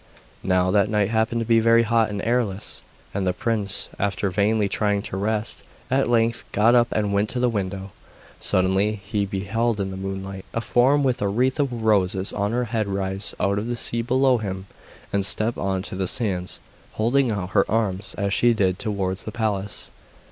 Now, that night happened to be very hot and airless, and the prince, after vainly trying to rest, at length got up and went to the window. Suddenly he beheld in the moonlight a form with a wreath of roses on her head rise out of the sea below him and step on to the sands, holding out her arms as she did so towards the palace.